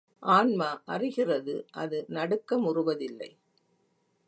ஆன்மா அறிகிறது அது நடுக்கமுறுவதில்லை.